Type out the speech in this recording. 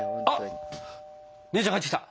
あっ姉ちゃん帰ってきた！